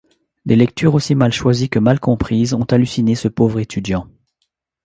Des lectures aussi mal choisies que mal comprises ont halluciné ce pauvre étudiant.